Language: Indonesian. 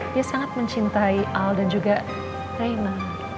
dia sangat mencintai al dan juga raina